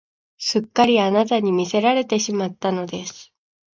すっかりあなたに魅せられてしまったのです